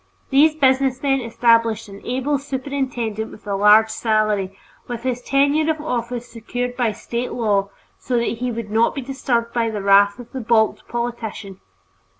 These businessmen established an able superintendent with a large salary, with his tenure of office secured by State law so that he would not be disturbed by the wrath of the balked politician.